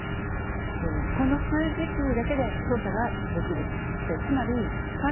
この数字キーだけで操作ができる。